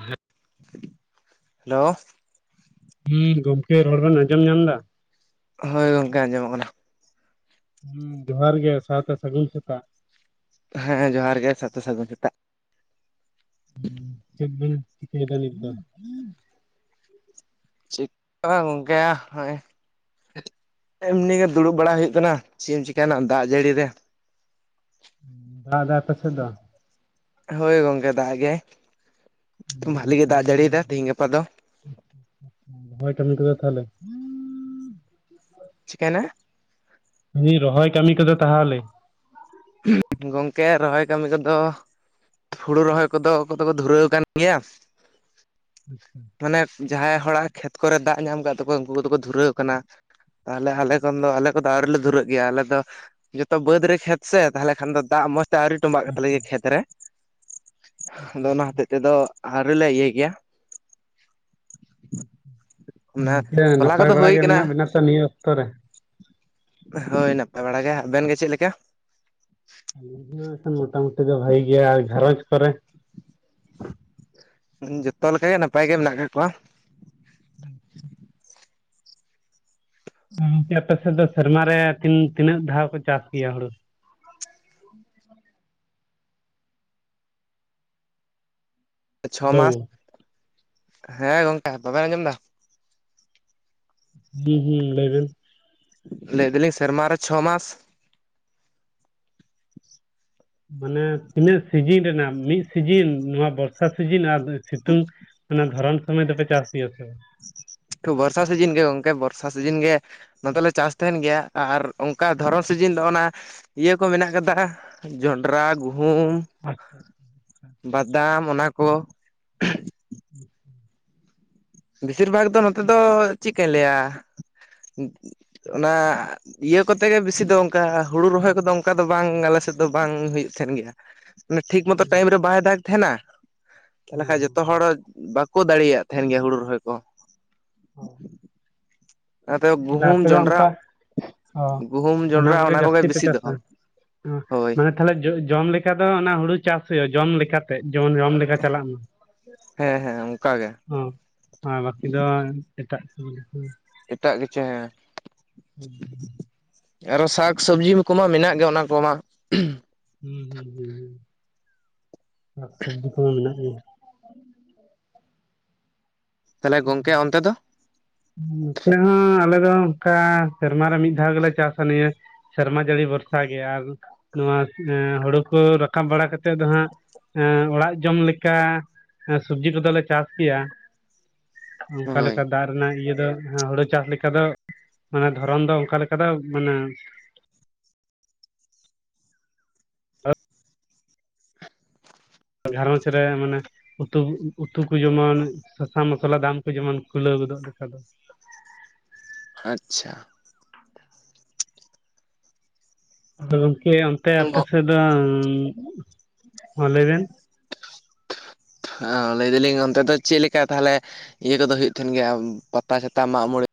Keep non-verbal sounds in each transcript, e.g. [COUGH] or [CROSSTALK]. ᱦᱮᱸ ᱦᱮᱞᱳ ᱦᱩᱸ ᱜᱚᱢᱠᱮ ᱨᱚᱲᱵᱮᱱ ᱟᱸᱡᱚᱢ ᱧᱟᱢ ᱫᱟ? ᱦᱳᱭ ᱜᱚᱝᱠᱮ ᱟᱸᱡᱚᱢᱚᱜ ᱠᱟᱱᱟ ᱾ ᱦᱩᱸ ᱡᱚᱦᱟᱨ ᱜᱮ ᱥᱟᱶᱛᱮ ᱥᱟᱜᱩᱱ ᱥᱮᱛᱟᱜ ᱾ ᱦᱮᱸ ᱡᱚᱸᱦᱟᱨ ᱜᱮ ᱥᱟᱛᱮ ᱥᱟᱜᱩᱱ ᱥᱮᱛᱟᱜ ᱾ [UNINTELLIGIBLE] ᱪᱤᱠᱟᱹᱭᱫᱟ ᱱᱤᱛ ᱫᱚ? ᱪᱤᱠ [UNINTELLIGIBLE] ᱜᱚᱝᱠᱮ ᱦᱳᱭᱼᱼ ᱮᱢᱱᱤᱜᱮ ᱫᱩᱲᱩᱵ ᱵᱟᱲᱟ ᱦᱩᱭᱩᱜ ᱠᱟᱱᱟ ᱪᱮᱜ ᱮᱢ ᱪᱤᱠᱟᱱᱟ ᱫᱟᱜ ᱡᱟᱹᱲᱤ ᱨᱮ ᱾ ᱫᱟᱜ ᱫᱟᱭ ᱟᱯᱮ ᱥᱮᱫ ᱫᱚ? ᱦᱳᱭ ᱜᱚᱝᱠᱮ ᱫᱟᱜ ᱜᱮ ᱵᱷᱟᱞᱤ ᱜᱮ ᱫᱟᱜ ᱡᱟᱹᱲᱤᱭᱮᱫᱟ ᱛᱤᱦᱤᱧ ᱜᱟᱯᱟ ᱫᱚ ᱾ [UNINTELLIGIBLE] ᱛᱟᱦᱚᱞᱮ? ᱪᱤᱠᱟᱭᱱᱟ? ᱦᱤ ᱨᱚᱦᱚᱭ ᱠᱟᱹᱢᱤ ᱠᱚᱫᱚ ᱛᱟᱦᱟᱦᱮ ᱜᱚᱝᱠᱮ ᱨᱚᱦᱚᱭ ᱠᱟᱹᱢᱤ ᱠᱚᱫᱚ ᱦᱳᱲᱳ ᱨᱚᱦᱚᱭ ᱠᱚᱫᱚ ᱚᱠᱚᱭ ᱫᱚᱠᱚ ᱫᱷᱩᱨᱟᱹᱣ ᱟᱠᱟᱱ ᱜᱮᱭᱟ ᱾ ᱟᱪᱪᱷᱟ ᱾ ᱢᱟᱱᱮ ᱡᱟᱦᱟᱸᱭ ᱦᱚᱲᱟᱜ ᱠᱷᱮᱛ ᱠᱚᱨᱮ ᱫᱟᱜ ᱧᱟᱢ ᱟᱠᱟᱜ ᱛᱟᱠᱚᱣᱟ ᱩᱝᱠᱩ ᱠᱚᱫᱚ ᱠᱚ ᱫᱷᱩᱨᱟᱹᱣ ᱟᱠᱟᱱᱟ ᱾ ᱛᱟᱦᱚᱞᱮ ᱟᱞᱮ ᱠᱷᱚᱱ ᱫᱚ ᱟᱞᱮ ᱠᱚᱫᱚ ᱟᱣᱨᱤ ᱞᱮ ᱫᱷᱩᱨᱟᱹᱜ ᱜᱮᱭᱟ ᱟᱞᱮ ᱫᱚ ᱡᱷᱚᱛᱚ ᱵᱟᱹᱫᱽ ᱨᱮ ᱠᱷᱮᱛ ᱥᱮ ᱛᱟᱦᱚᱞᱮ ᱠᱷᱟᱱ ᱫᱚ ᱫᱟᱜ ᱢᱚᱸᱡᱽ ᱛᱮ ᱟᱣᱨᱤ ᱛᱚᱵᱟᱜ ᱠᱟᱛᱟ ᱞᱮᱜᱮ ᱠᱷᱮᱛ ᱨᱮ ᱟᱫᱚ ᱚᱱᱟ ᱦᱚᱛᱮᱫ ᱛᱮᱫᱚ ᱟᱨᱞᱮ ᱤᱭᱟᱹᱭ ᱜᱮᱭᱟ ᱚᱱᱟ ᱜᱚᱝᱠᱮ ᱛᱚᱞᱟ ᱱᱟᱯᱟᱭ ᱠᱚᱫᱚ ᱵᱟᱲᱟ ᱦᱩᱭ ᱜᱮ ᱢᱮᱱᱟᱜ ᱠᱟᱱᱟ ᱵᱤᱱᱟ ᱛᱚ ᱱᱤᱭᱟᱹ ᱚᱠᱛᱚ ᱨᱮ? ᱦᱳᱭ ᱱᱟᱯᱟᱭ ᱵᱟᱲᱟ ᱜᱮ ᱟᱵᱮᱱ ᱜᱮ ᱪᱮᱫ ᱞᱮᱠᱟ? ᱢᱚᱴᱟ ᱢᱩᱴᱤ ᱫᱚ ᱵᱷᱟᱜᱮ ᱜᱮᱭᱟ ᱟᱨ ᱜᱷᱟᱨᱚᱸᱡᱽ ᱠᱚᱨᱮ? ᱡᱚᱛᱚ ᱞᱮᱠᱟ ᱜᱮ ᱱᱟᱯᱟᱭ ᱜᱮ ᱢᱮᱱᱟᱜ ᱠᱟᱜ ᱠᱚᱣᱟ ᱾ [UNINTELLIGIBLE] ᱚᱝᱠᱮ ᱟᱯᱮ ᱥᱮᱫ ᱫᱚ ᱥᱮᱨᱢᱟᱨᱮ ᱛᱤᱱ ᱛᱤᱱᱟᱹᱜ ᱫᱷᱟᱣ ᱠᱚ ᱪᱟᱥ ᱜᱮᱭᱟ ᱦᱩᱲᱩ? ᱪᱷᱚ ᱦᱮᱞᱳ ᱢᱟᱥ ᱦᱮᱸ ᱜᱚᱝᱠᱮ ᱵᱟᱵᱮᱱ ᱟᱸᱡᱚᱢ ᱫᱟ? ᱦᱩᱸ ᱦᱩᱸ ᱞᱟᱹᱭ ᱵᱮᱱ ᱾ ᱞᱟᱹᱭ ᱫᱟᱞᱤᱧ ᱥᱮᱨᱢᱟ ᱨᱮ ᱪᱷᱚ ᱢᱟᱥ ᱾ ᱢᱟᱱᱮ ᱛᱤᱱᱟᱹᱜ ᱥᱤᱡᱤᱱ ᱨᱮᱱᱟᱜ ᱢᱤᱫ ᱥᱤᱡᱤᱱ ᱱᱚᱣᱟ ᱵᱚᱨᱥᱟ ᱥᱤᱡᱤᱱ ᱟᱨ ᱥᱤᱛᱩᱝ ᱚᱱᱟ ᱫᱷᱚᱨᱚᱢ ᱥᱚᱢᱚᱭ ᱫᱚᱯᱮ ᱪᱟᱥ ᱜᱮᱭᱟ ᱥᱮ ᱵᱟᱝ? ᱵᱚᱨᱥᱟ ᱥᱤᱡᱤᱱ ᱜᱮ ᱜᱚᱝᱠᱮ ᱵᱚᱨᱥᱟ ᱥᱤᱡᱤᱱ ᱜᱮ ᱱᱚᱛᱮᱞᱮ ᱪᱟᱥ ᱛᱟᱦᱮᱱ ᱜᱮᱭᱟ ᱟᱨ ᱚᱱᱠᱟ ᱫᱷᱚᱨᱚᱱ ᱥᱤᱡᱤᱱ ᱫᱚ ᱚᱱᱟ ᱤᱭᱟᱹ ᱠᱚ ᱢᱮᱱᱟᱜ ᱠᱟᱫᱟ ᱡᱚᱱᱰᱨᱟ ᱜᱩᱦᱩᱢ [INAUDIBLE] ᱵᱟᱫᱟᱢ ᱚᱱᱟ ᱠᱚ ᱾ [UNINTELLIGIBLE] ᱵᱮᱥᱤᱨ ᱵᱷᱟᱜᱽ ᱫᱚ ᱱᱚᱛᱮ ᱫᱚ ᱪᱮᱫ ᱠᱚᱧ ᱞᱟᱹᱭᱟ ᱚᱱᱟ ᱤᱭᱟᱹ ᱠᱚᱛᱮ ᱜᱮ ᱵᱮᱥᱤ ᱫᱚ ᱚᱱᱠᱟ ᱦᱩᱲᱩ ᱨᱚᱦᱚᱭ ᱠᱚᱫᱚ ᱚᱱᱠᱟ ᱫᱚ ᱵᱟᱝ ᱟᱞᱮ ᱥᱮᱫ ᱫᱚ ᱵᱟᱝ ᱦᱩᱭᱩᱜ ᱛᱟᱦᱮᱱ ᱜᱮᱭᱟ ᱾ ᱢᱮ ᱴᱷᱤᱠ ᱢᱚᱛᱚ ᱦᱩᱸ ᱴᱟᱭᱤᱢ ᱨᱮ ᱵᱟᱭ ᱫᱟᱜᱽ ᱛᱟᱦᱮᱱᱟ ᱛᱟᱦᱚᱞᱮ ᱦᱩᱸ ᱠᱷᱟᱱ ᱦᱩᱸ ᱦᱩᱸ ᱡᱚᱛᱚ ᱦᱚᱲ ᱵᱟᱠᱚ ᱫᱟᱲᱮᱭᱟᱜ ᱛᱟᱦᱮᱱ ᱜᱮᱭᱟ ᱦᱩᱲᱩ ᱨᱚᱦᱚᱭ ᱠᱚ ᱾ [UNINTELLIGIBLE] ᱟᱯᱮ ᱜᱩᱦᱩᱢ ᱫᱚ ᱡᱚᱱᱰᱨᱟ ᱚᱱᱠᱟ ᱚ ᱜᱩᱦᱩᱢ ᱚᱱᱟ ᱡᱚᱱᱰᱨᱟ ᱠᱚᱜᱮ ᱡᱟᱹᱥᱛᱤ ᱯᱮ ᱵᱮᱥᱤ ᱫᱚ ᱪᱟᱥᱟ ᱾ ᱦᱳᱭ ᱢᱟᱱᱮ ᱛᱟᱦᱞᱮ ᱡᱚ ᱡᱚᱢ ᱞᱮᱠᱟ ᱫᱚ ᱚᱱᱟ ᱦᱩᱲᱩ ᱪᱟᱥ ᱦᱩᱭᱩᱜᱼᱟ ᱡᱚᱢ ᱞᱮᱠᱟᱛᱮ ᱡᱮᱢᱚᱱ ᱡᱚᱢ ᱞᱮᱠᱟ ᱪᱟᱞᱟᱜ ᱢᱟ ᱦᱮᱸ ᱦᱮᱸ ᱚᱱᱠᱟ ᱜᱮ ᱾ ᱚ ᱟᱨ ᱵᱟᱹᱠᱤ ᱫᱚ ᱮᱴᱟᱜ ᱠᱚ ᱮᱴᱟᱜ ᱠᱤᱪᱷᱩ ᱦᱮᱸ ᱦᱩᱸ ᱟᱨᱚ ᱥᱟᱠ ᱥᱚᱵᱽᱡᱤ ᱠᱚᱢᱟ ᱢᱮᱱᱟᱜ ᱜᱮ ᱚᱱᱟ ᱠᱚᱢᱟ ᱾ ᱦᱩᱸ ᱦᱩᱸ ᱥᱟᱠ ᱥᱚᱵᱡᱤ ᱠᱚᱢᱟ ᱢᱮᱱᱟᱜ ᱜᱮᱭᱟ ᱾ ᱛᱟᱦᱚᱞᱮ ᱜᱚᱝᱠᱮ ᱚᱱᱛᱮ ᱫᱚ? ᱱᱚᱛᱮ ᱦᱚᱸ ᱟᱞᱮ ᱫᱚ ᱚᱱᱠᱟ ᱥᱮᱨᱢᱟ ᱨᱮ ᱢᱤᱫ ᱫᱷᱟᱣ ᱜᱮᱞᱮ ᱪᱟᱥᱟ ᱱᱤᱭᱟᱹ ᱥᱮᱨᱢᱟ ᱡᱟᱹᱲᱤ ᱵᱷᱚᱨᱥᱟ ᱜᱮ ᱟᱨ ᱱᱚᱣᱟ ᱦᱩᱲᱩ ᱠᱚ ᱨᱟᱠᱟᱵ ᱵᱟᱲᱟ ᱠᱟᱛᱮᱫ ᱫᱚ ᱦᱟᱸᱜ ᱚᱲᱟᱜ ᱡᱚᱢ ᱞᱮᱠᱟ ᱥᱚᱵᱡᱤ ᱠᱚᱫᱚᱞᱮ ᱪᱟᱥ ᱜᱮᱭᱟ ᱾ ᱚᱝᱠᱟ ᱦᱳᱭ ᱞᱮᱠᱟ ᱫᱟᱜ ᱨᱮᱱᱟᱜ ᱤᱭᱟᱹ ᱫᱚ ᱦᱩᱲᱩ ᱪᱟᱥ ᱞᱮᱠ ᱠᱟᱫᱚ ᱢᱟᱱᱮ ᱫᱷᱚᱨᱚᱱ ᱫᱚ ᱚᱱᱠᱟ ᱞᱮᱠᱟ ᱫᱚ ᱢᱟᱱᱮ ᱜᱷᱟᱨᱚᱸᱡᱽ ᱨᱮ ᱢᱟᱱᱮ ᱩᱛᱩ ᱩᱛᱩ ᱠᱚ ᱡᱮᱢᱚᱱ ᱥᱟᱥᱟᱝ ᱢᱚᱥᱞᱟ ᱫᱟᱢ ᱠᱚ ᱡᱮᱢᱚᱱ ᱠᱷᱩᱞᱟᱹᱣ ᱜᱚᱫᱚᱜ ᱞᱮᱠᱟ ᱫᱚ ᱾ ᱟᱪᱪᱷᱟ ᱾ ᱟᱫᱚ ᱜᱚᱝᱠᱮ ᱚᱱᱛᱮ ᱟᱯᱮ ᱥᱮᱫ ᱫᱚ ᱢᱟ ᱞᱟᱹᱭ ᱵᱮᱱ ᱚ ᱞᱟᱹᱭ ᱫᱟᱞᱤᱧ ᱚᱱᱛᱮ ᱫᱚ ᱪᱮᱫ ᱞᱮᱠᱟ ᱛᱟᱦᱚᱞᱮ ᱤᱭᱟᱹ ᱠᱚᱫᱚ ᱦᱳᱭᱳᱜ ᱛᱟᱦᱮᱱ ᱜᱮᱭᱟ ᱯᱟᱛᱟ ᱪᱷᱟᱛᱟ ᱢᱟᱜ ᱢᱚᱬᱮ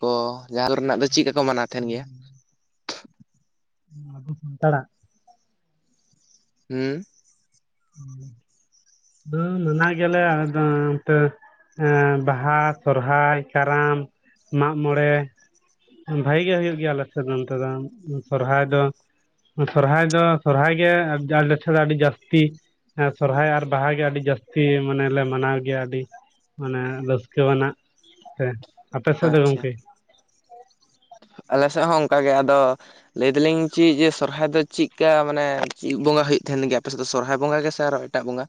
ᱠᱚ [INAUDIBLE] ᱨᱮᱱᱟᱜ ᱫᱚ ᱪᱮᱫ ᱞᱮᱠᱟ ᱠᱚ ᱢᱟᱱᱟᱣ ᱛᱟᱦᱮᱱ ᱜᱮᱭᱟ [INAUDIBLE] [UNINTELLIGIBLE] ᱦᱩᱸ᱾ [UNINTELLIGIBLE] ᱢᱟᱱᱟ ᱜᱮᱭᱟ ᱞᱮ ᱟᱞᱮ ᱫᱚ ᱚᱱᱛᱮ ᱨᱮ ᱾ ᱵᱟᱦᱟ, ᱥᱚᱨᱦᱟᱭ, ᱠᱟᱨᱟᱢ, ᱢᱟᱜ ᱢᱚᱬᱮ᱾ ᱵᱷᱟᱜᱤ ᱜᱮ ᱦᱳᱭᱳᱜ ᱜᱮᱭᱟ ᱟᱞᱮ ᱥᱮᱫ ᱫᱚ ᱱᱚᱱᱛᱮ ᱫᱚ ᱥᱚᱨᱦᱟᱭ ᱫᱚ᱾ ᱥᱚᱨᱦᱟᱭ ᱫᱚ ᱥᱚᱨᱦᱟᱭ ᱜᱮ ᱟᱞᱮ ᱴᱮᱡ ᱫᱚ ᱟᱹᱰᱤ ᱡᱟᱹᱥᱛᱤ ᱦᱮᱸ ᱥᱚᱨᱦᱟᱭ ᱟᱨ ᱵᱟᱦᱟ ᱜᱮ ᱟᱹᱰᱤ ᱡᱟᱹᱥᱛᱤ ᱢᱟᱱᱮ ᱞᱮ ᱢᱟᱱᱟᱣ ᱜᱮᱭᱟ ᱟᱹᱰᱤ᱾ ᱢᱟᱱᱮ ᱨᱟᱹᱥᱠᱟᱹᱣᱟᱱᱟᱜ ᱥᱮ ᱟᱯᱮ ᱥᱮᱫ ᱫᱚ ᱟᱪᱪᱷᱟ ᱜᱚᱝᱠᱮ? ᱟᱞᱮ ᱥᱮᱫ ᱦᱚᱸ ᱚᱱᱠᱟᱜ ᱜᱮ ᱟᱫᱚ ᱞᱟᱹᱭ ᱫᱟᱞᱤᱧ ᱪᱤᱜ ᱡᱮ ᱥᱚᱨᱦᱟᱭ ᱫᱚ ᱪᱤᱜ ᱠᱟ ᱢᱟᱱᱮ ᱪᱮᱫ ᱵᱚᱸᱜᱟ ᱦᱩᱭᱩᱜ ᱛᱟᱦᱮᱸᱱ ᱜᱮᱭᱟ ᱟᱯᱮ ᱥᱮᱫ ᱫᱚ ᱥᱚᱨᱦᱟᱭ ᱵᱚᱸᱜᱟ ᱜᱮ? ᱟᱨᱚ ᱮᱴᱟᱜ ᱵᱚᱸᱜᱟ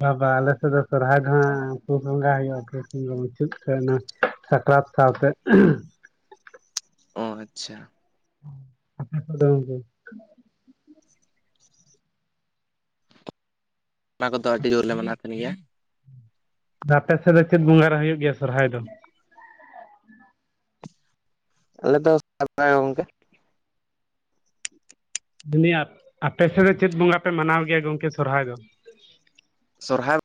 ᱵᱟᱵᱟ ᱟᱞᱮ ᱥᱮᱫ ᱫᱚ ᱥᱚᱨᱦᱟᱭ ᱫᱚ ᱦᱟᱜ ᱯᱩᱥ ᱵᱚᱸᱜᱟ ᱦᱩᱭᱩᱜᱼᱟ ᱯᱩᱥ ᱵᱚᱸᱜᱟ ᱢᱩᱪᱟᱹᱫ ᱛᱮ ᱚᱱᱟ ᱥᱟᱠᱨᱟᱛ ᱥᱟᱶ ᱛᱮ ᱚ ᱟᱪᱪᱷᱟ᱾ [UNINTELLIGIBLE] ᱚᱱᱟ ᱠᱚᱫᱚ ᱟᱹᱰᱤ ᱡᱳᱨ ᱞᱮ ᱢᱟᱱᱟᱣ ᱛᱟᱦᱮᱱ ᱜᱮᱭᱟ᱾ ᱟᱯᱮ ᱥᱮᱫ ᱫᱚ ᱪᱮᱫ ᱵᱚᱸᱜᱟᱵ ᱨᱮ ᱦᱩᱭᱩᱜ ᱜᱮᱭᱟ ᱥᱚᱨᱦᱟᱭ ᱫᱚ? ᱟᱞᱮ ᱫᱚ [UNINTELLIGIBLE] ᱜᱚᱝᱠᱮ ᱾ [UNINTELLIGIBLE] ᱟᱯᱮ ᱥᱮᱫ ᱫᱚ ᱪᱮᱫ ᱵᱚᱸᱜᱟ ᱯᱮ ᱢᱟᱱᱟᱣ ᱜᱮᱭᱟ ᱜᱚᱝᱠᱮ ᱥᱚᱨᱚᱦᱦᱟᱭ ᱫᱚ? ᱥᱚᱨᱦᱟᱭ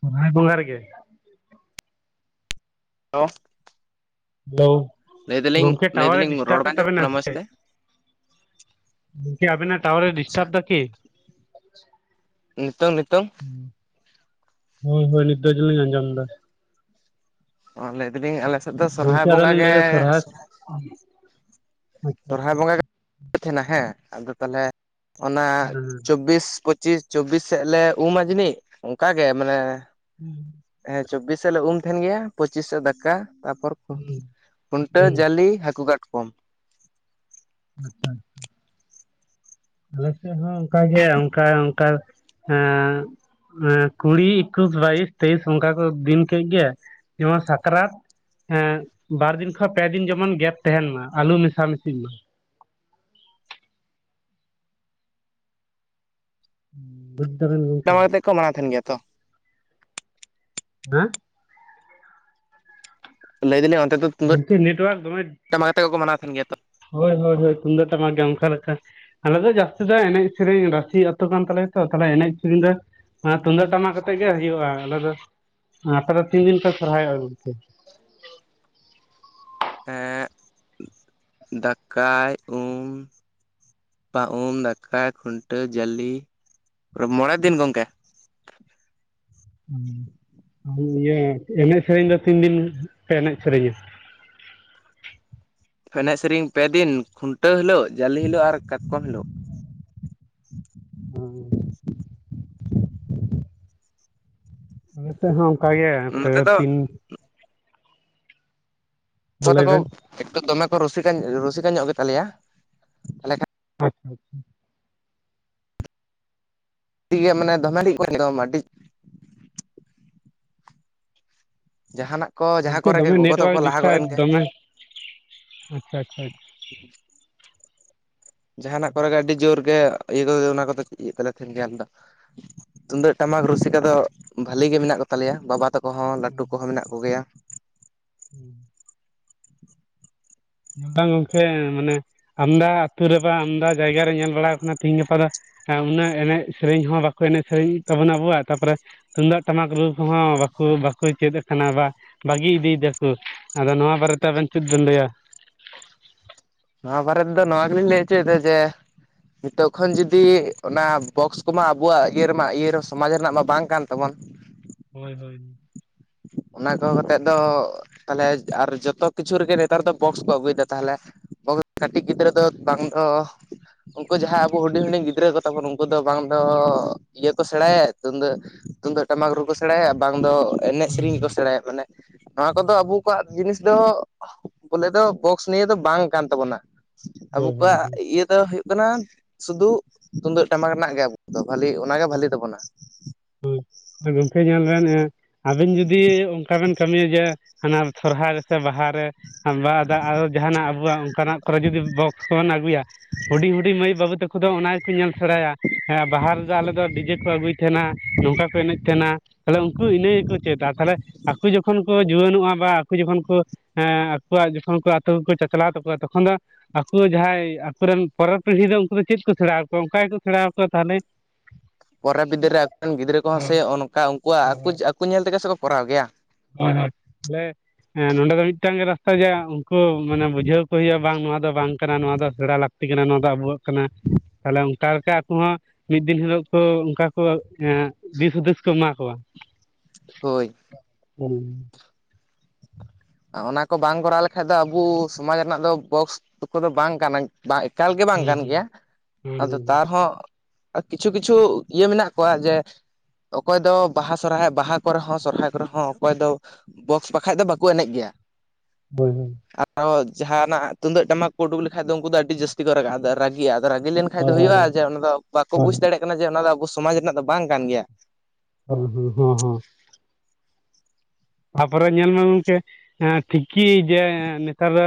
ᱥᱚᱨᱦᱟᱭ ᱵᱚᱸᱜᱟ ᱨᱮ ᱜᱮ? [UNINTELLIGIBLE] ᱦᱮᱞᱳ ᱞᱟᱹᱭ ᱫᱟᱞᱤᱧ ᱜᱚᱢᱠᱮ ᱞᱟᱹᱭ ᱴᱟᱣᱟᱨ ᱮ ᱫᱟᱞᱤᱧ ᱨᱚᱲ ᱰᱤᱥᱴᱟᱵᱮᱫ ᱵᱟᱝ ᱟᱸᱡᱚᱢᱚᱜ ᱛᱟᱵᱮᱱᱟ ᱠᱟᱱᱟ ᱥᱮ ᱢᱚᱸᱡᱽ ᱪᱮᱫ? ᱛᱮ ᱜᱚᱢᱠᱮ ᱟᱵᱮ ᱱᱟᱜ ᱴᱟᱣᱟᱨ ᱮ ᱟᱪᱪᱷᱟ ᱰᱤᱥᱴᱟᱨᱵ ᱫᱟᱠᱤ? ᱱᱤᱛᱚᱝ, ᱱᱤᱛᱚᱝ᱾ ᱦᱳᱭ ᱦᱳᱭ ᱱᱤᱛ ᱫᱚ [UNINTELLIGIBLE] ᱞᱤᱧ ᱟᱸᱡᱚᱢ ᱫᱟ᱾ ᱟᱨ ᱞᱟᱹᱭ ᱫᱟᱞᱤᱧ ᱟᱞᱮ ᱥᱮᱫ ᱫᱚ ᱥᱚᱨᱦᱟᱭ ᱜᱚᱢᱠᱮ ᱟᱫᱚ ᱵᱚᱸᱜᱟ ᱞᱤᱧ ᱜᱮ ᱞᱟᱹᱭ ᱫᱟ ᱥᱚᱨᱦᱟᱭ ᱥᱚᱨᱚᱦᱟᱭ ᱟᱪᱪᱷᱟ ᱵᱚᱸᱜᱟ ᱜᱮ ᱛᱟᱦᱮᱱᱟ ᱦᱮᱸ ᱟᱫᱚ ᱛᱟᱦᱚᱞᱮ ᱚᱱᱟ ᱦᱮᱸ ᱪᱚᱵᱽᱵᱤᱥ ᱯᱚᱸᱪᱤᱥ, ᱪᱚᱵᱽᱵᱤᱥ ᱥᱮᱫ ᱞᱮ ᱩᱢᱟᱢᱟ ᱡᱟᱹᱱᱤᱡ ᱚᱱᱠᱟᱜ ᱜᱮ ᱢᱟᱱᱮ [INAUDIBLE] ᱦᱮᱸ ᱪᱚᱵᱽᱵᱤᱥ ᱥᱟᱞᱮ ᱩᱢ ᱛᱟᱦᱮᱱ ᱜᱮᱭᱟ᱾ ᱯᱚᱸᱪᱤᱥᱟ ᱫᱟᱠᱟ ᱛᱟᱯᱚᱨ ᱦᱮᱸ ᱦᱩᱸ ᱠᱷᱩᱱᱴᱟᱹᱣ, ᱦᱩᱸ ᱡᱟᱹᱟᱞᱤ, ᱦᱟᱹᱠᱩ ᱠᱟᱴᱠᱚᱢ᱾ ᱟᱪᱪᱷᱟ᱾ ᱟᱞᱮ ᱥᱮᱫ ᱦᱚᱸ ᱚᱱᱠᱟ ᱜᱮ ᱚᱱᱠᱟ ᱚᱱᱠᱟ ᱮᱸ᱾ ᱠᱩᱲᱤ ᱮᱠᱩᱥ ᱵᱟᱭᱤᱥ ᱛᱮᱭᱤᱥ ᱚᱱᱠᱟ ᱠᱚ ᱫᱤᱱ ᱠᱮᱫ ᱜᱮ ᱡᱮᱢᱚᱱ ᱥᱟᱠᱨᱟᱛ ᱦᱮᱸ ᱵᱟᱨ ᱫᱤᱱ ᱠᱷᱚᱱ ᱯᱮ ᱫᱤᱱ ᱡᱮᱢᱚᱱ ᱜᱮᱯ ᱛᱟᱦᱮᱱ ᱢᱟ ᱟᱞᱩ ᱢᱮᱥᱟ ᱢᱤᱥᱤ ᱢᱟ᱾ ᱾ ᱵᱩᱡ ᱫᱟᱵᱮᱱ ᱜᱚᱢᱠᱮ᱾ ᱴᱟᱢᱟᱠ ᱟᱛᱮᱫ ᱠᱚ ᱢᱟᱱᱟᱣ ᱛᱟᱦᱮᱱ ᱜᱮᱭᱟ ᱛᱚ᱾ [UNINTELLIGIBLE] ᱞᱟᱹᱭ ᱫᱟᱞᱤᱧ ᱚᱱᱛᱮ ᱫᱚ ᱛᱩᱢᱫᱟᱹᱜ ᱜᱚᱝᱠᱮ ᱱᱮᱴᱣᱟᱨᱠ ᱫᱚᱢᱮ ᱴᱟᱢᱟᱠ ᱟᱛᱮ ᱜᱮᱠᱚ ᱢᱟᱱᱟᱣ ᱛᱟᱦᱮᱱ ᱜᱮᱭᱟ ᱛᱚ ᱾ ᱦᱳᱭ ᱦᱳᱭ ᱦᱳᱭ ᱛᱩᱫᱟᱜ ᱴᱟᱢᱟᱠ ᱜᱮ ᱚᱱᱠᱟ ᱞᱮᱠᱟ ᱟᱞᱮ ᱫᱚ ᱡᱟᱹᱥᱛᱤ ᱫᱚ ᱮᱱᱮᱡ ᱥᱮᱨᱮᱧ ᱨᱟᱥᱤ ᱟᱹᱛᱩ ᱠᱟᱱ ᱛᱟᱞᱮᱭᱟ ᱛᱚ ᱛᱮ ᱮᱱᱮᱡ ᱥᱮᱨᱮᱧ ᱫᱚ ᱛᱩᱢᱫᱟᱹᱜ ᱴᱟᱢᱟᱠ ᱟᱛᱮᱜ ᱜᱮ ᱦᱩᱭᱩᱜᱼᱟ ᱟᱞᱮ ᱫᱚ, ᱟᱯᱮ ᱫᱚ ᱛᱤᱱ ᱫᱤᱱ ᱯᱮ ᱥᱚᱨᱦᱟᱭᱚᱜᱼᱟ ᱜᱚᱝᱠᱮ? ᱮᱸᱜ [UNINTELLIGIBLE] ᱫᱟᱠᱟᱭ ᱩᱢ᱾ ᱵᱟ ᱩᱢ ᱫᱟᱠᱟ ᱠᱷᱩᱱᱴᱟᱹᱣ ᱡᱟᱹᱞᱤ ᱢᱚᱬᱮ ᱫᱤᱱ ᱜᱚᱝᱠᱮ᱾ ᱤᱭᱟᱹ ᱮᱱᱮᱡ ᱥᱮᱨᱮᱧ ᱫᱚ ᱛᱤᱱ ᱫᱤᱱ ᱯᱮ ᱮᱱᱮᱡ ᱥᱮᱨᱮᱧᱟ? ᱮᱱᱮᱡ ᱥᱮᱨᱮᱧ ᱯᱮ ᱫᱤᱱ ᱠᱷᱩᱱᱴᱟᱹᱣ ᱦᱤᱞᱳᱜ ᱡᱟᱞᱮ ᱦᱤᱞᱳᱜ ᱟᱨ ᱠᱟᱴᱠᱚᱢ ᱦᱤᱞᱳᱜ ᱾ [UNINTELLIGIBLE] ᱱᱛᱮ ᱦᱚᱸ ᱚᱱᱠᱟᱜᱮ ᱯᱮ ᱱᱚᱛᱮ ᱫᱚ ᱛᱤᱱ ᱾ ᱢᱟ ᱜᱚ ᱞᱟᱹᱭ ᱛᱟᱠᱚ ᱵᱮᱱ ᱮᱠᱴᱩ ᱫᱚᱢᱮ ᱠᱚ ᱨᱩᱥᱤᱠᱟ ᱨᱩᱥᱤᱠᱟ ᱧᱚᱜ ᱜᱮᱛᱟᱞᱮᱭᱟ ᱾ [UNINTELLIGIBLE] ᱜᱮ ᱢᱟᱱᱮ ᱫᱚᱢᱮ [INAUDIBLE] ᱡᱟᱦᱟᱱᱟᱜ᱾ ᱠᱚ ᱡᱟᱦᱟᱸ ᱜᱚᱝᱠᱮ ᱠᱚᱨᱮ ᱜᱮ ᱫᱚᱢᱮ ᱜᱚᱜᱚ ᱛᱟᱠᱚ ᱱᱮᱴᱚᱣᱟᱨᱠ ᱠᱚ ᱞᱟᱦᱟ ᱜᱚᱫ ᱰᱤᱥᱴᱟᱨ ᱮᱱ ᱜᱮ ᱫᱚᱢᱮ ᱟᱪᱪᱷᱟ ᱟᱪᱪᱷᱟ ᱾ [UNINTELLIGIBLE] ᱡᱟᱦᱟᱱᱟᱜ ᱠᱚᱨᱮᱜ ᱜᱮ ᱟᱹᱰᱤ ᱡᱳᱨ ᱜᱮ ᱤᱭᱟᱹ ᱠᱚ ᱚᱱᱟ ᱠᱚᱫᱚ᱾ [INAUDIBLE] ᱛᱩᱢᱫᱟᱹᱜ ᱴᱟᱢᱟᱠ ᱨᱩᱥᱤᱠᱟ ᱫᱚ ᱵᱷᱟᱞᱤ ᱜᱮ ᱢᱮᱱᱟᱜ ᱠᱚ ᱛᱟᱞᱮᱭᱟ ᱵᱟᱵᱟ ᱛᱟᱠᱚ ᱦᱚᱸ ᱞᱟᱹᱴᱩ ᱠᱚᱦᱚᱸ ᱢᱮᱱᱟᱜ ᱠᱚᱜᱮᱭᱟ ᱾ [UNINTELLIGIBLE] ᱵᱟᱝ ᱜᱚᱢᱠᱮ ᱢᱟᱱᱮ ᱟᱢᱫᱟ ᱟᱹᱛᱩ ᱨᱮ ᱵᱟ ᱟᱢᱫᱟ ᱡᱟᱭᱜᱟ ᱨᱮ ᱧᱮᱞ ᱵᱟᱲᱟ ᱠᱟᱱᱟ ᱛᱤᱦᱤᱧ ᱜᱟᱯᱟ ᱫᱚ᱾ ᱩᱱᱟᱹᱜ ᱮᱱᱮᱡ ᱥᱮᱨᱮᱧ ᱦᱚᱸ ᱵᱟᱠᱚ ᱮᱱᱮᱡ ᱥᱮᱨᱮᱧ ᱛᱟᱵᱚᱱᱟ ᱟᱵᱚᱣᱟᱜ ᱛᱟᱯᱚᱨᱮ᱾ ᱛᱩᱢᱫᱟᱜ ᱴᱟᱢᱟᱠ ᱨᱩ ᱠᱚᱦᱚᱸ ᱵᱟᱠᱚ ᱵᱟᱠᱚ ᱪᱮᱫ ᱟᱠᱟᱱᱟ ᱵᱟ᱾ ᱵᱟᱹᱜᱤ ᱤᱫᱤᱭᱮᱫᱟ ᱠᱚ ᱟᱫᱚ ᱱᱚᱣᱟ ᱵᱟᱨᱮᱛᱮ ᱟᱵᱮᱱ ᱪᱮᱫ ᱵᱮᱱ ᱞᱟᱹᱭᱟ? ᱱᱟ ᱵᱟᱨᱫ ᱱᱚᱣᱟᱽᱞᱤᱮ ᱦᱪᱩ ᱡᱮ᱾ ᱱᱤᱛᱚᱜ ᱠᱷᱚᱱ ᱡᱩᱫᱤ ᱚᱱᱟ ᱵᱚᱠᱥ ᱠᱚᱢᱟ ᱟᱵᱚᱣᱟᱜ ᱤᱭᱟᱹᱢᱟ ᱤᱭᱟᱹᱮ ᱥᱚᱢᱟᱡᱽ ᱨᱮᱱᱟᱜ ᱢᱟ ᱵᱟᱝ ᱠᱟᱱ ᱛᱟᱵᱚᱱ ᱾ ᱦᱳᱭ ᱦᱳᱭ ᱾ ᱚᱱᱟ ᱠᱚ ᱠᱟᱛᱮ ᱫᱚ ᱛᱟᱦᱚᱞᱮ ᱟᱨ ᱡᱚᱛᱚ ᱠᱤᱪᱷᱩ ᱨᱮᱜᱮ ᱱᱮᱛᱟᱨ ᱫᱚ ᱵᱚᱠᱥ ᱠᱚ ᱟᱹᱜᱩᱭᱮᱫᱟ ᱛᱟᱦᱚᱞᱮ᱾ ᱠᱟᱹᱴᱤᱡ ᱜᱤᱫᱽᱨᱟᱹ ᱫᱚ ᱵᱟᱝ ᱫᱚ᱾ ᱩᱱᱠᱩ ᱡᱟᱦᱟᱸᱭ ᱟᱵᱚ ᱦᱩᱰᱤᱧ ᱦᱩᱰᱤᱧ ᱜᱤᱫᱽᱨᱟᱹ ᱠᱚᱛᱟᱵᱚᱱ ᱩᱱᱠᱩ ᱫᱚ ᱵᱟᱝ ᱫᱚ ᱤᱭᱟᱹ ᱠᱚ ᱥᱮᱬᱟᱭᱟ ᱛᱩᱫ᱾ ᱛᱩᱢᱫᱟᱜ ᱴᱟᱢᱟᱠ ᱨᱮᱠᱚ ᱥᱮᱬᱟᱭᱟ ᱵᱟᱝ ᱫᱚ ᱮᱱᱮᱡ ᱦᱳᱭ ᱥᱮᱨᱮᱧ ᱜᱮᱠᱚ ᱥᱮᱬᱟᱭᱟ ᱢᱟᱱᱮ ᱾ ᱱᱚᱣᱟ ᱠᱚᱫᱚ ᱟᱵᱚ ᱠᱚᱣᱟᱜ ᱡᱤᱱᱤᱥ ᱫᱚ ᱵᱚᱞᱮ ᱫᱚ ᱵᱚᱠᱥ ᱱᱤᱭᱮ ᱫᱚ ᱵᱟᱝ᱾ ᱠᱟᱱ ᱛᱟᱵᱚᱱᱟ ᱾ ᱟᱵᱚ ᱦᱳᱭ ᱦᱳᱭ ᱠᱚᱣᱟᱜ ᱤᱭᱟᱹ ᱫᱚ ᱦᱩᱭᱩᱜ᱾ ᱦᱩᱭᱩᱜ ᱠᱟᱱᱟ ᱥᱩᱫᱩ ᱛᱩᱢᱫᱟᱹᱜ ᱴᱟᱢᱟᱠ ᱨᱮᱱᱟᱜ ᱜᱮ ᱟᱵ ᱫᱚ ᱵᱷᱟᱹᱞᱤ ᱚᱱᱟᱜᱮ ᱵᱷᱟᱞᱤ ᱛᱟᱵᱚᱱᱟ ᱾ ᱦ ᱜᱚᱢᱠᱮ ᱧᱮᱞ ᱵᱮᱱ ᱟᱵᱤᱱ ᱡᱩᱫᱤ ᱚᱱᱠᱟ ᱵᱮᱱ ᱠᱟᱹᱢᱤᱭᱟ ᱡᱮ᱾ ᱦᱟᱱᱟ ᱥᱚᱨᱦᱟᱭ ᱨᱮ ᱥᱮ ᱵᱟᱦᱟᱮ ᱡᱟᱦᱟᱱᱟᱜ ᱟᱵᱚᱣᱟᱜ ᱚᱱᱠᱟᱱᱟᱜ᱾ ᱠᱚᱨᱮ ᱡᱫᱤ ᱠᱚᱵᱚᱱ ᱟᱜᱩᱭᱟ ᱾ ᱦᱩᱰᱤᱧ ᱦᱩᱰᱤ ᱢᱟᱹᱭ ᱵᱟᱹᱵᱩ ᱛᱟᱠᱚ ᱫᱚ ᱚᱱᱟ ᱜᱮᱠᱚ ᱧᱮᱞ ᱥᱮᱬᱟᱭᱟ, ᱦᱮᱸ ᱵᱟᱦᱟᱞ᱾ ᱟᱞᱮ ᱫᱚ ᱰᱤᱡᱮ ᱠᱚ ᱟᱹᱜᱩᱭ ᱛᱟᱦᱮᱱᱟ ᱱᱚᱝᱠᱟ ᱠᱚ ᱮᱱᱮᱡ ᱛᱟᱦᱮᱱᱟ᱾ ᱛᱟᱦᱞᱮ ᱩᱱᱠᱩ ᱤᱱᱟᱹ ᱜᱮᱠᱚ ᱪᱮᱫᱟ ᱛᱟᱦᱞᱮ ᱟᱠᱚ ᱡᱚᱠᱷᱚᱱ ᱠᱚ ᱡᱩᱣᱟᱹᱱᱚᱜᱼᱟ ᱵᱟ ᱟᱠᱚ ᱡᱚᱠᱷᱚᱱ ᱠᱚ᱾ ᱦᱮᱸ ᱟᱠᱚᱣᱟᱜ ᱡᱚᱠᱷᱚᱱ ᱠᱚ ᱟᱹᱛᱩ ᱠᱚ ᱪᱟᱪᱞᱟᱣ ᱛᱟᱠᱚᱣᱟ ᱛᱚᱠᱷᱚᱱ ᱫᱚ ᱦᱟᱸᱜ᱾ ᱟᱠᱚ ᱡᱟᱦᱟᱸᱭ ᱟᱠᱚᱨᱮᱱ ᱯᱚᱨᱚᱵ ᱯᱤᱲᱦᱤ ᱫᱚ ᱩᱱᱠᱩ ᱫᱚ ᱪᱮᱫ ᱠᱚ ᱥᱮᱬᱟᱣ ᱠᱚᱚᱣᱟ ᱚᱱᱠᱟ ᱜᱮᱠᱚ ᱥᱮᱬᱟᱣᱚᱣᱟ ᱛᱟᱦᱚᱞᱮ᱾ ᱯᱚᱨᱮ ᱵᱤᱫᱟᱹ ᱨᱮ ᱟᱠᱚᱨᱮᱱ ᱜᱤᱫᱽᱨᱟᱹ ᱠᱚᱦᱚᱸ ᱥᱮ ᱚᱱᱠᱟ ᱩᱱᱠᱩᱣᱟᱜ ᱟᱠᱚ ᱟᱠᱚ ᱧᱮᱞ ᱛᱮᱜᱮ ᱥᱮ ᱠᱚᱨᱟᱣ ᱜᱮᱭᱟ᱾ ᱦᱳᱭ ᱦᱳᱭ ᱛᱟᱦᱞᱮ᱾ ᱦᱮᱸ ᱱᱚᱰᱮ ᱫᱚ ᱢᱤᱫᱴᱟᱝ ᱜᱮ ᱨᱟᱥᱛᱟ ᱡ ᱩᱱᱠᱩ ᱢᱟᱱᱮ ᱵᱩᱡᱷᱟᱹᱣ ᱠᱚ ᱦᱩᱭᱩᱜᱼᱟ ᱵᱟᱝ ᱱᱚᱣᱟ ᱫᱚ ᱵᱟᱝ ᱠᱟᱱᱟ ᱱᱚᱣᱟ ᱫᱚ ᱥᱮᱬᱟ ᱞᱟᱹᱠ᱾ ᱛᱤ ᱠᱟᱱᱟ ᱱᱚᱣᱟ ᱫᱚ ᱟᱵᱚᱣᱟᱜ ᱠᱟᱱᱟ ᱛᱟᱦᱚᱞᱮ ᱚᱱᱠᱟ ᱞᱮᱠᱟ ᱟᱠᱚ ᱦᱚᱸ᱾ ᱢᱤᱫ ᱫᱤᱱ ᱦᱤᱞᱳᱜ ᱠᱚ ᱚᱱᱠᱟ ᱠᱚ ᱮ ᱫᱤᱥ ᱦᱩᱫᱤᱥ ᱠᱚ ᱮᱢᱟ ᱠᱚᱣᱟ᱾ ᱦᱳᱭ᱾ ᱦᱩᱸ᱾ ᱚᱱᱟ ᱠᱚ ᱵᱟᱝ ᱠᱚᱨᱟᱣ ᱞᱮᱠᱷᱟᱡ ᱫᱚ ᱟᱵᱚ ᱥᱚᱢᱟᱡᱽ ᱨᱮᱱᱟᱜ ᱫᱚ ᱵᱚᱠᱥ [UNINTELLIGIBLE] ᱫᱚ ᱵᱟᱝ ᱠᱟᱱᱟ ᱾ ᱵᱟᱝ ᱮᱠᱟᱞ ᱜᱮ ᱵᱟᱝ ᱠᱟᱱ ᱦᱩᱸ ᱜᱮᱭᱟ ᱾ [INAUDIBLE] ᱦᱩᱸ ᱟᱫᱚ ᱦᱩᱸ ᱦᱩᱸ ᱛᱟᱣ ᱨᱮᱦᱚᱸ ᱠᱤᱪᱷᱩ ᱠᱤᱪᱷᱩ ᱤᱭᱟᱹ ᱢᱮᱱᱟᱜ ᱠᱚᱣᱟ ᱡᱮ ᱚᱠᱚᱭ ᱫᱚ ᱵᱟᱦᱟ ᱥᱚᱨᱦᱟᱭ ᱵᱟᱦᱟ ᱠᱚᱨᱮ ᱦᱚᱸ ᱥᱚᱨᱦᱟᱭ ᱠᱚᱨᱮ ᱦᱚᱸ ᱚᱠᱚᱭ ᱫᱚ ᱵᱚᱠᱥ ᱵᱟᱠᱟᱷᱟᱡ ᱫᱚ ᱵᱟᱠ ᱠᱚ ᱮᱱᱮᱡ ᱜᱮᱭᱟ ᱾ ᱦᱳᱭ ᱦᱳᱭ ᱾ ᱟᱨᱦᱚ ᱡᱟᱦᱟᱱᱟᱜ ᱛᱩᱢᱫᱟᱹᱜ ᱴᱟᱢᱟᱠ ᱠᱚ ᱩᱰᱩᱠ ᱞᱮᱠᱷᱟᱡ ᱫᱚ ᱩᱱᱠᱩ ᱫᱚ ᱟᱹᱰᱤ ᱡᱟᱹᱥᱛᱤ ᱠᱚ [UNINTELLIGIBLE] ᱨᱟᱹᱜᱤᱜ-ᱟ ᱾ ᱟᱫᱚ ᱨᱟᱹᱜᱤ ᱞᱮᱱᱠᱷᱟᱡ ᱫᱚ ᱦᱳᱭ ᱦᱳᱭ ᱦᱩᱭᱩᱜ-ᱟ ᱡᱮ ᱚᱱᱟ ᱫᱚ ᱵᱟᱠᱚ ᱦᱳᱭ ᱵᱩᱡᱽ ᱦᱳᱭ ᱫᱟᱲᱮᱭᱟᱜ ᱠᱟᱱᱟ ᱡᱮ ᱚᱱᱟ ᱫᱚ ᱟᱵᱚ ᱥᱚᱢᱟᱡᱽ ᱨᱮᱱᱟᱜ ᱫᱚ ᱵᱟᱝ ᱠᱟᱱ ᱜᱮᱭᱟ ᱾ ᱦᱩᱸ ᱦᱩᱸ ᱦᱚᱸ ᱦᱚᱸ ᱾ ᱛᱟᱯᱚᱨᱮ ᱧᱮᱞ ᱢᱮ ᱜᱚᱝᱠᱮ ᱛᱤᱠᱤ ᱡᱮ ᱱᱮᱛᱟᱨ ᱫᱚ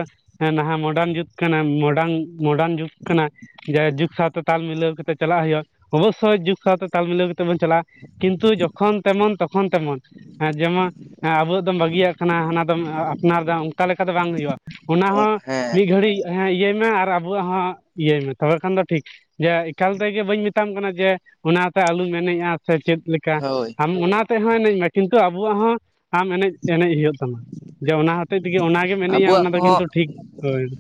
ᱱᱟᱦᱟᱜ ᱢᱚᱰᱟᱨᱱ ᱡᱩᱛ ᱠᱟᱱᱟ ᱢᱚᱰᱟᱨᱱ ᱢᱚᱰᱟᱨᱱ ᱡᱩᱜᱽ ᱠᱟᱱᱟ, ᱡᱟᱭ ᱡᱩᱜᱽ ᱥᱟᱶᱛᱮ ᱛᱟᱞ ᱢᱤᱞᱟᱹᱣ ᱠᱟᱛᱮ ᱪᱟᱞᱟᱜ ᱦᱩᱭᱩᱜ-ᱟ ᱾ ᱚᱵᱚᱥᱥᱳᱭ ᱡᱩᱜᱽ ᱥᱟᱶᱛᱮ ᱛᱟᱞ ᱢᱤᱞᱟᱹᱣ ᱠᱟᱛᱮ ᱵᱚᱱ ᱪᱟᱞᱟᱜ-ᱟ, ᱠᱤᱱᱛᱩ ᱡᱚᱠᱷᱚᱱ ᱛᱮᱢᱚᱱ ᱛᱚ ᱠᱷᱚᱱ ᱛᱮᱢᱚᱱ, ᱦᱮᱸ ᱡᱮᱢᱚ ᱦᱮᱸ ᱟᱵᱚᱣᱟᱜ ᱫᱚᱢ ᱵᱟᱹᱜᱤᱭᱟᱜ ᱠᱟᱱᱟ ᱦᱟᱱᱟ ᱫᱚᱢ ᱟᱯᱱᱟᱨ ᱮᱫᱟ ᱚᱱᱠᱟ ᱞᱮᱠᱟ ᱫᱚ ᱵᱟᱝ ᱦᱩᱭᱩᱜ-ᱟ ᱾ ᱚᱱᱟ ᱦᱚᱸ ᱦᱮᱸ ᱢᱤᱫ ᱜᱷᱟᱹᱲᱤᱡ ᱤᱭᱟᱹᱭ ᱢᱮ ᱟᱨ ᱟᱵᱚᱣᱟᱜ ᱦᱚᱸ ᱤᱭᱟᱹᱭ ᱢᱮ ᱛᱚᱵᱮ ᱠᱷᱟᱱ ᱫᱚ ᱴᱷᱤᱠ ᱾ ᱡᱮ ᱮᱠᱟᱞ ᱛᱮᱜᱮ ᱵᱟᱹᱧ ᱢᱮᱛᱟᱢ ᱠᱟᱱᱟ ᱡᱮ ᱚᱱᱟᱛᱮ ᱟᱞᱚᱢ ᱮᱱᱮᱡ-ᱟ ᱥᱮ ᱪᱮᱫ ᱞᱮᱠ ᱠᱟ, ᱦᱳᱭ ᱟᱢ ᱚᱱᱟ ᱛᱮᱦᱚᱸ ᱮᱱᱮᱡ ᱢᱮ, ᱠᱤᱱᱛᱩ ᱟᱵᱚᱣᱟᱜ ᱦᱚᱸ ᱟᱢ ᱮᱱᱮᱡ ᱮᱱᱮᱡ ᱦᱩᱭᱩᱜ ᱛᱟᱢᱟ ᱡᱮ ᱚᱱᱟ ᱦᱚᱛᱮᱡ ᱛᱮᱜᱮ ᱚᱱᱟᱜᱮᱢ ᱮᱱᱮᱡ-ᱟ, ᱟᱵᱚᱣᱟᱜ ᱚᱱᱟ ᱫᱚ ᱠᱚᱦᱚᱸ ᱠᱤᱱᱛᱩ ᱴᱷᱤᱠ ᱦᱳᱭ ᱾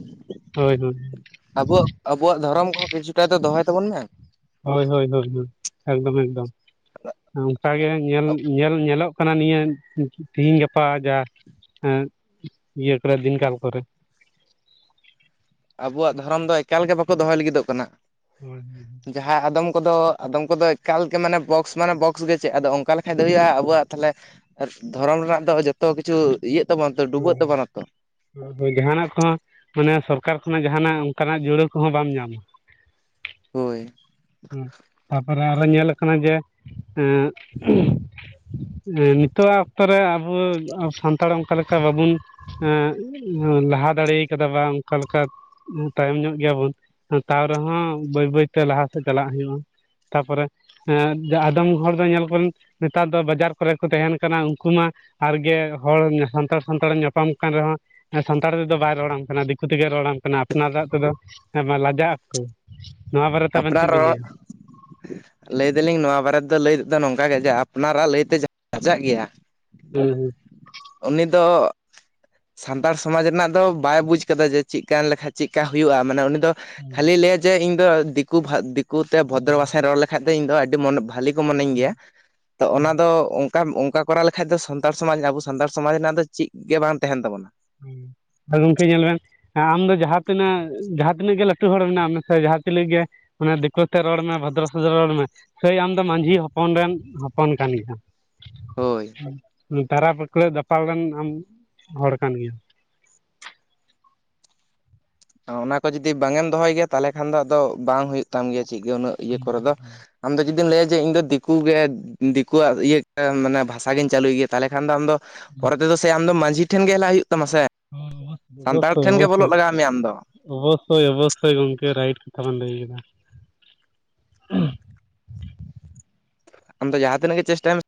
ᱦᱳᱭ ᱦᱳᱭ ᱾ [INAUDIBLE] ᱟᱵᱚᱣᱟᱜ ᱟᱵᱚᱣᱟᱜ ᱫᱷᱚᱨᱚᱢ ᱠᱚᱦᱚᱸ ᱠᱤᱪᱷᱩ ᱴᱟ ᱫᱚᱦᱚᱭ ᱛᱟᱵᱚᱱ ᱢᱮ ᱾ ᱦᱳᱭ ᱦᱳᱭ ᱦᱳᱭ ᱦᱳᱭ, ᱮᱠᱫᱚᱢ ᱮᱠᱫᱚᱢ ᱾ [INAUDIBLE] ᱚᱱᱠᱟ ᱜᱮ ᱧᱮᱞ ᱧᱮᱞ ᱧᱮᱞᱚᱜ ᱠᱟᱱᱟ ᱱᱤᱭᱟᱹ ᱛᱤᱦᱤᱧ ᱜᱟᱯᱟ ᱡᱟ ᱤᱭᱟᱹ ᱠᱚᱨᱮ ᱫᱤᱱᱠᱟᱞ ᱠᱚᱨᱮ ᱾ ᱟᱵᱚᱣᱟᱜ ᱫᱷᱚᱨᱚᱢ ᱫᱚ ᱮᱠᱟᱞ ᱜᱮ ᱵᱟᱠᱚ ᱫᱚᱦᱚᱭ ᱞᱟᱹᱜᱤᱫᱚᱜ ᱠᱟᱱᱟ ᱾ ᱦᱳᱭ ᱦᱩᱸ ᱾ ᱡᱟᱦᱟᱸ ᱟᱫᱚᱢ ᱠᱚᱫᱚ ᱟᱫᱚᱢ ᱠᱚᱫᱚ ᱮᱠᱟᱞ ᱜᱮ ᱢᱟᱱᱮ ᱵᱚᱠᱥ ᱢᱟᱱᱮ ᱵᱚᱠᱥ ᱜᱮ ᱪᱮᱫ ᱟᱫᱚ ᱚᱱᱠᱟ ᱞᱮᱠᱷᱟᱡ ᱫᱚ ᱦᱩᱭᱩᱜ-ᱟ, ᱟᱵᱚᱣᱟᱜ ᱛᱟᱦᱚᱞᱮ ᱫᱷᱚᱨᱚᱢ ᱨᱮᱱᱟᱜ ᱫᱚ ᱡᱚᱛᱚ ᱠᱤᱪᱷᱩ ᱤᱭᱟᱹᱜ ᱛᱟᱵᱚᱱᱟ ᱛᱚ, ᱰᱩᱵᱟᱹᱜ ᱛᱟᱵᱚᱱᱟ ᱛᱚ ᱾ ᱦᱳᱭ ᱡᱟᱦᱟᱸᱱᱟᱜ ᱠᱚᱦᱚᱸ ᱢᱟᱱᱮ ᱥᱚᱨᱠᱟᱨ ᱠᱷᱚᱱᱟᱜ ᱡᱟᱦᱟᱸᱱᱟᱜ ᱚᱱᱠᱟᱱᱟᱜ ᱡᱩᱲᱟᱹ ᱠᱚᱦᱚᱸ ᱵᱟᱢ ᱧᱟᱢᱟ ᱾ ᱦᱳᱭ ᱾ ᱦᱮᱸ ᱾ ᱛᱟᱨᱯᱚᱨᱮ ᱟᱨᱚ ᱧᱮᱞ ᱟᱠᱟᱱᱟ ᱡᱮ, ᱮᱸ ᱦᱮᱸ ᱱᱤᱛᱚᱜᱟᱜ ᱚᱠᱛᱚ ᱨᱮ ᱟᱵᱚ ᱥᱟᱱᱛᱟᱲ ᱚᱱᱠᱟ ᱞᱮᱠᱟ ᱵᱟᱵᱚᱱ ᱮᱸ ᱞᱟᱦᱟ ᱫᱟᱲᱮ ᱠᱟᱫᱟ ᱵᱟᱝ ᱚᱱᱠᱟ ᱞᱮᱠᱟ ᱛᱟᱭᱚᱢ ᱧᱚᱜ ᱜᱮᱭᱟᱵᱚᱱ, ᱛᱟᱣ ᱨᱮᱦᱚᱸ ᱵᱟᱹᱭ ᱵᱟᱹᱭᱛᱮ ᱞᱟᱦᱟ ᱥᱮᱫ ᱪᱟᱞᱟᱜ ᱦᱩᱭᱩᱜ-ᱟ ᱾ ᱛᱟᱯᱚᱨᱮ ᱮᱸ ᱟᱫᱚᱢ ᱦᱚᱲ ᱫᱚ ᱧᱮᱞ ᱠᱚᱢ ᱱᱮᱛᱟᱨ ᱫᱚ ᱵᱟᱡᱟᱨ ᱠᱚᱨᱮ ᱠᱚ ᱛᱟᱦᱮᱱ ᱠᱟᱱᱟ ᱾ ᱩᱱᱠᱩ ᱢᱟ ᱟᱨ ᱜᱮ ᱦᱚᱲ ᱥᱟᱱᱛᱟᱲ ᱥᱟᱱᱛᱟᱲᱮᱢ ᱧᱟᱯᱟᱢ ᱠᱟᱱ ᱨᱮᱦᱚᱸ ᱥᱟᱱᱛᱟᱲ ᱛᱮᱫᱚ ᱵᱟᱭ ᱨᱚᱲᱟᱢ ᱠᱟᱱᱟ ᱫᱤᱠᱩ ᱛᱮᱜᱮ ᱨᱚᱲᱟᱢ ᱠᱟᱱᱟ ᱟᱯᱱᱟᱨᱟᱜ ᱛᱮᱫᱚ ᱞᱟᱡᱟᱜ ᱟᱠᱩ ᱾ ᱱᱚᱣᱟ ᱵᱟᱨᱮᱛ ᱟᱯᱱᱟᱨ ᱨᱚᱲ [INAUDIBLE] ᱞᱟᱹᱭ ᱮᱫᱟᱞᱤᱧ ᱱᱚᱣᱟ ᱵᱟᱨᱮ ᱫᱚ ᱞᱟᱹᱭ ᱛᱮᱫᱚ ᱱᱚᱝᱠᱟ ᱜᱮ ᱡᱮ ᱟᱯᱱᱟᱨᱟᱜ ᱞᱟᱹᱭᱛᱮ ᱞᱟᱡᱟᱜ ᱜᱮᱭᱟ ᱾ ᱦᱩᱸ ᱦᱩᱸ ᱾ ᱩᱱᱤ ᱫᱚ ᱥᱟᱱᱛᱟᱲ ᱥᱚᱢᱟᱡᱽ ᱨᱮᱱᱟᱜ ᱫᱚ ᱵᱟᱭ ᱵᱩᱡᱽ ᱠᱟᱫᱟ ᱡᱮ ᱪᱮᱫ ᱠᱟᱱ ᱞᱮᱠᱟᱱ ᱪᱮᱫᱠᱟ ᱦᱩᱭᱩᱜ-ᱟ, ᱢᱟᱱᱮ ᱩᱱᱤ ᱫᱚ ᱦᱮᱸ ᱠᱷᱟᱹᱞᱤ ᱞᱟᱹᱭᱟ ᱡᱮ ᱤᱧ ᱫᱚ ᱫᱤᱠᱩ ᱫᱤᱠᱩ ᱛᱮ ᱦᱮᱸ ᱵᱷᱚᱫᱨᱚ ᱵᱷᱟᱥᱟᱧ ᱨᱚᱲ ᱞᱮᱠᱷᱟᱡ ᱫᱚ ᱤᱧ ᱫᱚ ᱟᱹᱰᱤ ᱢᱚᱱ ᱵᱷᱟᱹᱞᱤ ᱢᱟᱱᱟᱹᱧ ᱦᱮᱸ ᱜᱮᱭᱟ ᱛᱚ ᱦᱮᱸ ᱚᱱᱟ ᱫᱚ ᱠᱟᱢ ᱚᱱᱠᱟ ᱠᱚᱨᱟᱣ ᱞᱮᱠᱷᱟᱡ ᱫᱚ ᱥᱟᱱᱛᱟᱲ ᱥᱚᱢᱟᱡᱽ ᱟᱵᱚ ᱥᱟᱱᱛᱟᱲ ᱥᱚᱢᱟᱡᱽ ᱨᱮᱱᱟᱜ ᱫᱚ ᱪᱮᱫ ᱜᱮ ᱵᱟᱝ ᱛᱟᱦᱮᱱ ᱛᱟᱵᱚᱱᱟ ᱾ ᱟᱹ ᱜᱚᱝᱠᱮ ᱧᱮᱞ ᱵᱮᱱ ᱾ ᱟᱢ ᱫᱚ ᱡᱟᱦᱟᱸ ᱛᱤᱱᱟᱹᱜ ᱡᱟᱦᱟᱸ ᱛᱤᱱᱟᱹᱜ ᱜᱮ ᱞᱟᱹᱴᱩ ᱦᱚᱲ ᱢᱮᱱᱟᱜ ᱢᱮ ᱥᱮ ᱡᱟᱦᱟᱸ ᱛᱤᱱᱟᱹᱜ ᱜᱮ ᱚᱱᱟ ᱫᱤᱠᱩ ᱛᱮ ᱨᱚᱲ ᱢᱮ ᱵᱚᱫᱨᱚ ᱥᱚᱫᱨᱚ ᱨᱚᱲ ᱢᱮ ᱾ ᱥᱮᱭ ᱟᱢ ᱫᱚ ᱢᱟᱸᱡᱷᱤ ᱦᱚᱯᱚᱱ ᱨᱮᱱ ᱦᱚᱯᱚᱱ ᱠᱟᱱ ᱜᱮᱭᱟᱢ ᱾ ᱦᱳᱭ [UNINTELLIGIBLE] ᱫᱟᱯᱟᱞ ᱞᱮᱱ ᱟᱢ ᱦᱚᱲ ᱠᱟᱱ ᱜᱮᱟᱢ ᱾ ᱚᱱᱟ ᱠᱚ ᱡᱩᱫᱤ ᱵᱟᱝᱮᱢ ᱫᱚᱦᱚᱭ ᱜᱮᱭᱟ ᱛᱟᱦᱚᱞᱮ ᱠᱷᱟᱱ ᱫᱚ ᱟᱫᱚ ᱵᱟᱝ ᱦᱩᱭᱩᱜ ᱛᱟᱢ ᱜᱮᱭᱟ ᱪᱮᱫ ᱜᱮ ᱩᱱᱟᱹᱜ ᱤᱭᱟᱹ ᱠᱚᱨᱮ ᱫᱚ ᱾ ᱟᱢᱫᱚ ᱡᱩᱫᱤᱢ ᱞᱟᱹᱭᱟ ᱡᱮ ᱤᱧ ᱫᱚ ᱫᱤᱠᱩ ᱜᱮ ᱫᱤᱠᱩᱣᱟᱜ ᱤᱭᱟᱹ ᱢᱟᱱᱮ ᱵᱷᱟᱥᱟ ᱜᱤᱧ ᱪᱟᱹᱞᱩᱭ ᱜᱮᱭᱟ ᱛᱟᱦᱚᱞᱮ ᱠᱷᱟᱱ ᱫᱚ ᱟᱢᱫᱚ ᱯᱚᱨᱮ ᱛᱮᱫᱚ ᱥᱮ ᱟᱢ ᱫᱚ ᱢᱟᱡᱷᱤ ᱴᱷᱮᱱ ᱜᱮ ᱦᱮᱞᱟᱭ ᱦᱩᱭᱩᱜ ᱛᱟᱢᱟ ᱥᱮ ᱾ ᱦᱚᱸ ᱚᱵᱚᱥᱚᱭ ᱚᱵᱚᱥᱚᱭ ᱢᱮᱭᱟ ᱟᱢ ᱫᱚ ᱚᱵᱚᱥᱳᱭ ᱚᱵᱚᱥᱳᱭ ᱜᱚᱢᱠᱮ ᱨᱟᱭᱤᱴ ᱠᱟᱛᱷᱟ ᱵᱤᱱ ᱞᱟᱹᱭ ᱠᱮᱫᱟ ᱾ ᱟᱢ ᱫᱚ ᱡᱟᱦᱟᱸ ᱛᱤᱱᱟᱹ ᱜᱮ ᱪᱮᱥᱴᱟᱭ ᱢᱮ